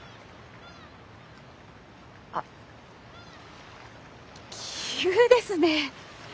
あっ奇遇ですね！